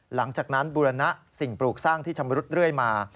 หลังจากนั้นบูรณะสิ่งปลูกสร้างที่ชำรุดเรื่อยมา